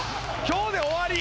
今日で終わり。